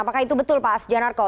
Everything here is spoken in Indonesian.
apakah itu betul pak sujanarko